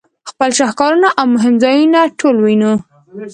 خپل شهکارونه او مهم ځایونه ټول وینو.